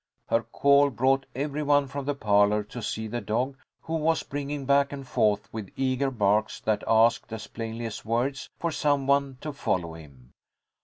Her call brought every one from the parlour to see the dog, who was springing back and forth with eager barks that asked, as plainly as words, for some one to follow him.